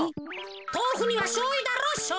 とうふにはしょうゆだろしょうゆ。